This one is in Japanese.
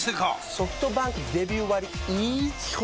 ソフトバンクデビュー割イズ基本